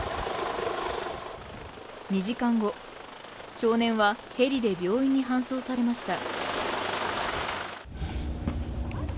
２時間後少年はヘリで病院に搬送されました